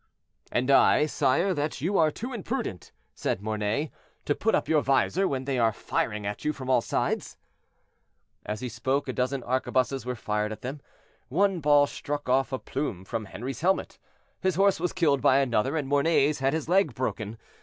"And I, sire, that you are too imprudent," said Mornay, "to put up your vizor when they are firing at you from all sides." As he spoke a dozen arquebuses were fired at them; one ball struck off a plume from Henri's helmet, his horse was killed by another, and Mornay's had his leg broken.